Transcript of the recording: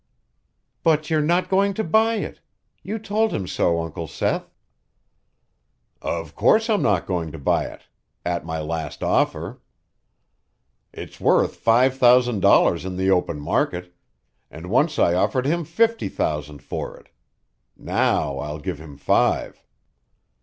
"But you're not going to buy it. You told him so, Uncle Seth." "Of course I'm not going to buy it at my last offer. It's worth five thousand dollars in the open market, and once I offered him fifty thousand for it. Now I'll give him five."